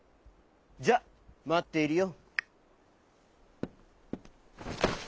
じゃあまっているよ」。